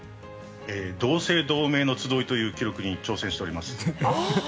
同姓同名の集いという記録に挑戦しております。